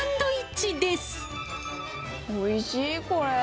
おいしい、これ。